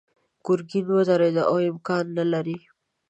ګرګين ودرېد: امکان نه لري.